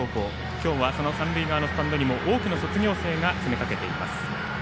今日はその三塁側のスタンドに多くの卒業生が詰め掛けています。